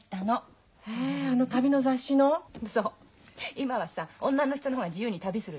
今はさ女の人の方が自由に旅するでしょ？